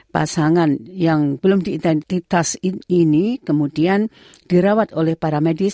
pasangan yang belum diidentitas ini kemudian dirawat oleh para medis